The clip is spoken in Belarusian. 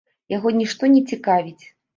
Яго нішто не цікавіць.